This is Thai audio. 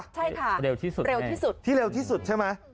ใช่ค่ะเร็วที่สุดที่เร็วที่สุดใช่มั้ย